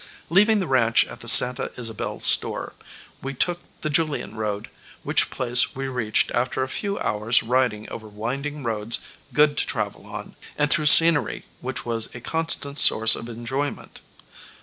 Leaving the ranch at the Santa Isabel store, we took the Julian road, which place we reached after a few hours' riding over winding roads good to travel on, and through scenery which was a constant source of enjoyment.